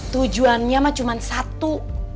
tujuannya mah cuman satu